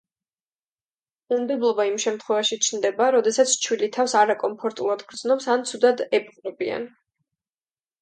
უნდობლობა იმ შემთხვევაში ჩნდება, როდესაც ჩვილი თავს არაკომფორტულად გრძნობს ან ცუდად ეპყრობიან.